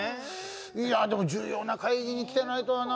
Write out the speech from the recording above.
いや、でも重要な会議に来てないとはな。